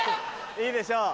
いいでしょう。